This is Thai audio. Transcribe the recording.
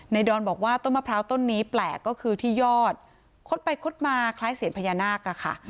ดอนบอกว่าต้นมะพร้าวต้นนี้แปลกก็คือที่ยอดคดไปคดมาคล้ายเสียงพญานาคอะค่ะ